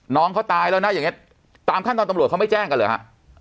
น้องเขาตายแล้วนะอย่างนี้ตามขั้นตอนตำรวจเขาไม่แจ้งกันเหรอฮะ